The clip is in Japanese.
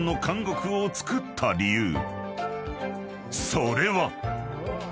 ［それは］